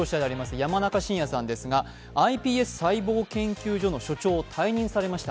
山中伸弥さんですが、ｉＰＳ研究所の所長を退任されました。